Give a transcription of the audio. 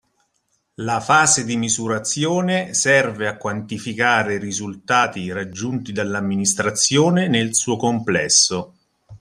La fase di misurazione serve a quantificare i risultati raggiunti dall'amministrazione nel suo complesso